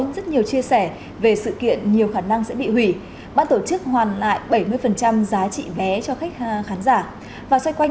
xin chào các bạn